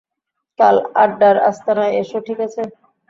কাল আড্ডার আস্তানায় এসো, ঠিক আছে?